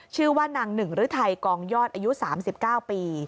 ชื่อว่านางหนึ่งฤทัยกองยอดอายุ๓๙ปี